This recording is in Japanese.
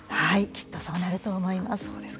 きっとそうなると思います。